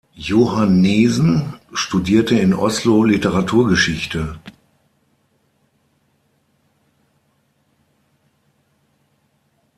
Johannesen studierte in Oslo Literaturgeschichte.